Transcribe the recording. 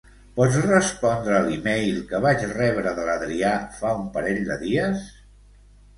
Pots respondre l'e-mail que vaig rebre de l'Adrià fa un parell de dies?